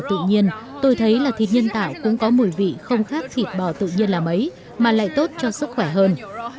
thịt tự nhiên tôi thấy là thịt nhân tạo cũng có mùi vị không khác thịt bò tự nhiên là mấy mà lại tốt cho sức khỏe hơn